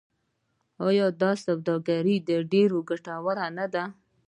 آیا دا سوداګري ډیره ګټوره نه ده؟